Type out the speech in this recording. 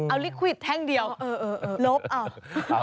เอาลิควิดแท่งเดียวลบเอา